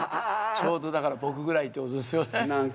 ちょうどだから僕ぐらいってことですよね。